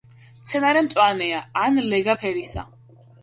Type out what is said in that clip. მცენარე მწვანეა ან ლეგა ფერისა.